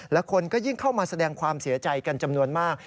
และคนก็ยิ่งเข้ามาแสดงความเสียใจกันจำนวนมาก